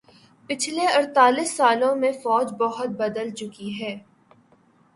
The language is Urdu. پچھلے اڑتالیس سالوں میں فوج بہت بدل چکی ہے